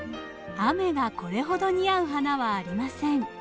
雨がこれほど似合う花はありません。